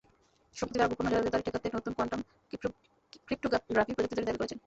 সম্প্রতি তাঁরা গোপন নজরদারি ঠেকাতে নতুন কোয়ান্টাম ক্রিপটোগ্রাফি প্রযুক্তি তৈরির দাবি করেছেন।